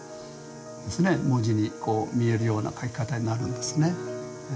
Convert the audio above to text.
文字に見えるような書き方になるんですね。